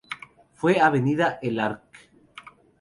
Fue vendida al Arq.